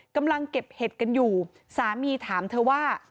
กำลังเก็บเห็ดกันอยู่สามีถามเธอว่า